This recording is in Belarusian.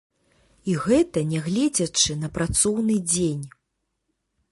І гэта нягледзячы на працоўны дзень.